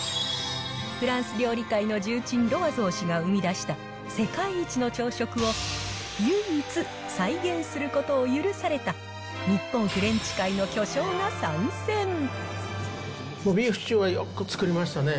フランス料理界の重鎮、ロワゾー氏が生み出した世界一の朝食を唯一再現することを許された、ビーフシチューはよく作りましたね。